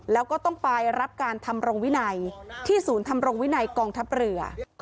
แล้วก็ต้องไปรับการทำรงวินัยที่ศูนย์ทำรงวินัยกองทัพเรือ